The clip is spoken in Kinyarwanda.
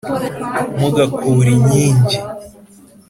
mugakura inkingi